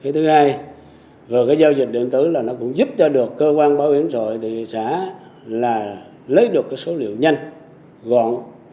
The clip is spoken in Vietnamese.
thứ hai giao dịch điện tử cũng giúp cho cơ quan bảo hiểm xã hội lấy được số liệu nhanh gọn